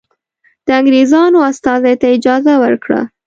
د انګرېزانو استازي ته اجازه ورکړه.